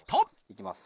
いきます。